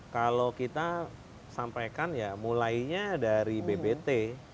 kalau kita sampaikan ya mulainya dari bpt